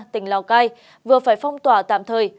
tỉnh lào cai vừa phải phong tỏa tạm thời